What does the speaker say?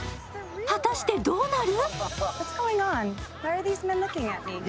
果たしてどうなる？